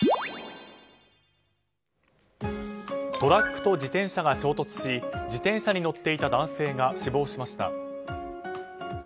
トラックと自転車が衝突し自転車に乗っていた男性が死亡しました。